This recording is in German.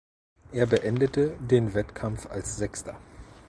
Er beendete den Wettkampf als Sechster.